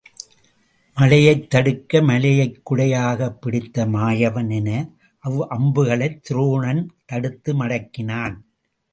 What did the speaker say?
மழையைத் தடுக்க மலையைக் குடை யாகப் பிடித்த மாயவன் என அவ்வம்புகளைத் துரோ ணன் தடுத்து மடக்கினான்.